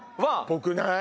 ぽくない？